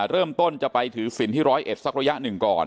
เริ่มต้นจะไปถือศิลป์ที่ร้อยเอ็ดสักระยะหนึ่งก่อน